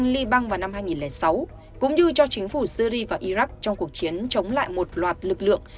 trong những cuộc chiến tranh liban vào năm hai nghìn sáu cũng như cho chính phủ syri và iraq trong cuộc chiến chống lại một loạt lực lượng